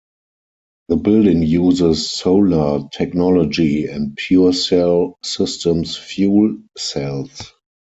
The building uses solar technology and PureCell Systems fuel cells.